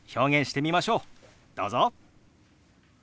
どうぞ！